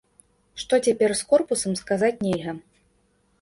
Што цяпер з корпусам, сказаць нельга.